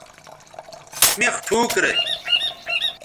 مِخ ٹھوک رے